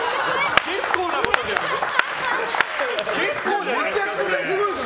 結構なことですよ！